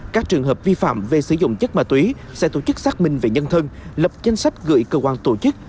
các trường hợp vi phạm về sử dụng chất ma túy sẽ tổ chức xác minh về nhân thân lập danh sách gửi cơ quan tổ chức